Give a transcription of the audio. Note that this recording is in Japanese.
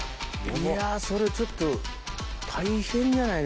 いやそれちょっと大変じゃないですか。